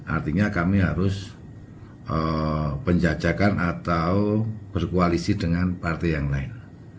artinya kami harus penjajakan atau berkoalisi dengan partai yang lain